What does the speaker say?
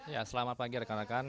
ya selamat pagi rekan rekan